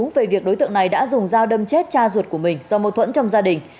về việc đối tượng này đã dùng dao đâm chết cha ruột của mình do mâu thuẫn trong gia đình